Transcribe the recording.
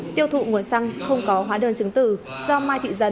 tiêu thụ nguồn xăng không có hóa đơn chứng từ do mai thị dần